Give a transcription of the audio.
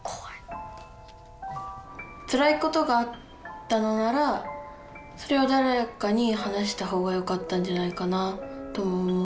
つらいことがあったのならそれを誰かに話した方がよかったんじゃないかなって思います。